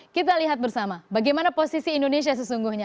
kita lihat bersama bagaimana posisi indonesia sesungguhnya